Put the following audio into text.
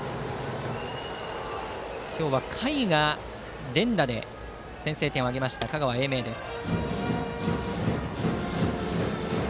今日は下位が連打で先制点を挙げました香川・英明です。